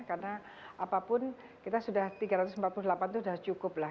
karena apapun kita sudah tiga ratus empat puluh delapan itu sudah cukup lah